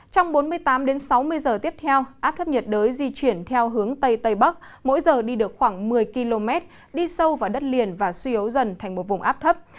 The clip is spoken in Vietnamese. trong bốn mươi tám sáu mươi giờ tiếp theo áp thấp nhiệt đới di chuyển theo hướng tây tây bắc mỗi giờ đi được khoảng một mươi km đi sâu vào đất liền và suy yếu dần thành một vùng áp thấp